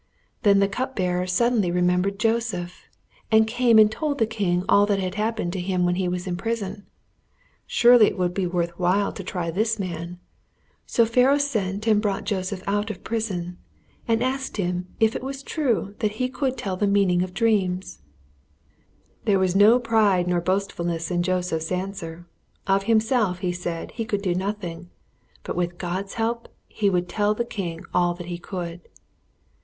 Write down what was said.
Then the cup bearer suddenly remembered Joseph, and came and told the king all that had happened to him when he was in prison. Surely it would be worth while to try this man. So Pharaoh sent and brought Joseph out of prison, and asked him if it was true that he could tell the meaning of dreams. [Illustration: He told them what he thought their dreams must mean.] There was no pride nor boastfulness in Joseph's answer. Of himself, he said, he could do nothing; but with God's help he would tell the king all that he could.